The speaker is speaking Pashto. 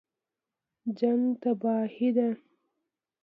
جنګ تباهي ده